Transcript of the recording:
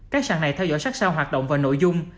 các sàn này theo dõi sát sao hoạt động và nội dung